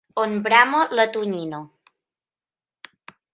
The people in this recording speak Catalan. On brama la tonyina.